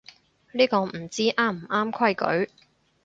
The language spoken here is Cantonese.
呢個唔知啱唔啱規矩